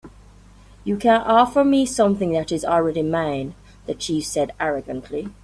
"You can't offer me something that is already mine," the chief said, arrogantly.